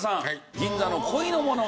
『銀座の恋の物語』。